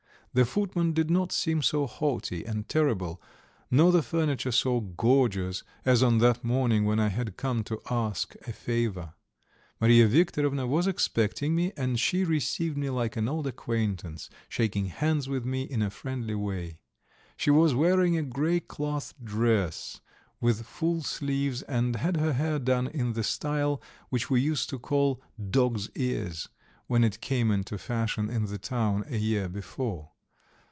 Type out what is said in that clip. The footman did not seem so haughty and terrible, nor the furniture so gorgeous, as on that morning when I had come to ask a favour. Mariya Viktorovna was expecting me, and she received me like an old acquaintance, shaking hands with me in a friendly way. She was wearing a grey cloth dress with full sleeves, and had her hair done in the style which we used to call "dogs' ears," when it came into fashion in the town a year before.